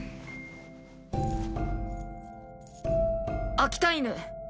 秋田犬！